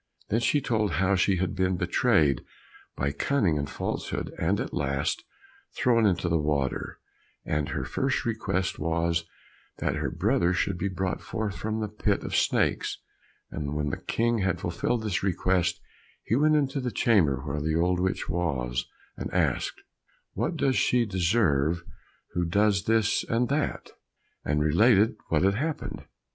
Then she told how she had been betrayed by cunning and falsehood, and at last thrown down into the water, and her first request was that her brother should be brought forth from the pit of snakes, and when the King had fulfilled this request, he went into the chamber where the old witch was, and asked, What does she deserve who does this and that? and related what had happened.